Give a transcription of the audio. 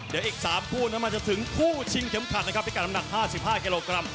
เดี๋ยวอีก๓คู่นั้นมันจะถึงคู่ชิงเข็มขัดนะครับพิกัดน้ำหนัก๕๕กิโลกรัม